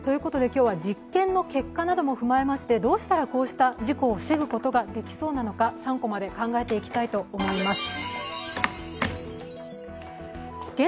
今日は、実験の結果なども踏まえまして、どうしたら、こうした事故を防ぐことができそうなのか、３コマで考えていきたい思います。